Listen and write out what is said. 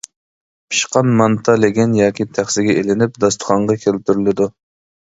پىشقان مانتا لېگەن ياكى تەخسىگە ئېلىنىپ داستىخانغا كەلتۈرۈلىدۇ.